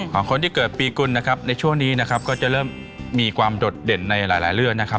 ของคนที่เกิดปีกุลนะครับในช่วงนี้นะครับก็จะเริ่มมีความโดดเด่นในหลายเรื่องนะครับ